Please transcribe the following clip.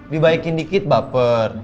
dibaikin dikit baper